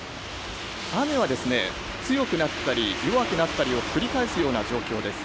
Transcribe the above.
雨は強くなったり弱くなったりを繰り返すような状況です。